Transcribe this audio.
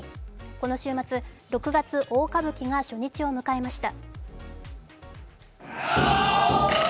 この週末、「六月大歌舞伎」が初日を迎えました。